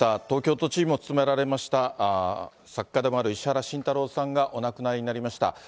東京都知事も務められました、作家でもある石原慎太郎さんがお亡くなりになりました。